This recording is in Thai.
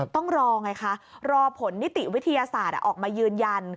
ต้องรอไงคะรอผลนิติวิทยาศาสตร์ออกมายืนยัน